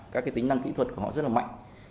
các cái tính năng kỹ thuật của họ rất là mạnh